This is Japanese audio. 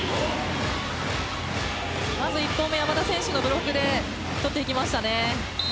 まず１本目山田選手のブロックで取ってきましたね。